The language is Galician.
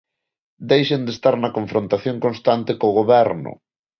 Deixen de estar na confrontación constante co Goberno.